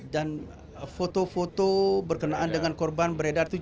dan foto foto berkenaan dengan korban beredar itu